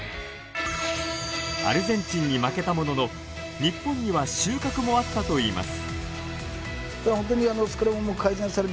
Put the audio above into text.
アルゼンチンに負けたものの日本には収穫もあったといいます。